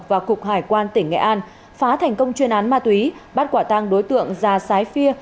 và cục hải quan tỉnh nghệ an phá thành công chuyên án ma túy bắt quả tăng đối tượng già sái phia